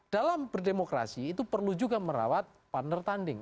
dalam berdemokrasi itu perlu juga merawat partner tanding